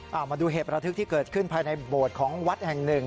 เอามาดูเหตุประทึกที่เกิดขึ้นภายในโบสถ์ของวัดแห่งหนึ่ง